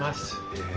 へえ。